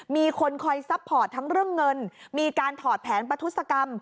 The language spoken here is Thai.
มีคนคอยซัพพอร์ตทั้งเรื่องเงินมีการถอดแผนประทุศกรรม